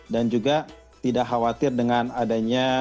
dan juga tidak khawatir dengan ada yang mengambil jamaah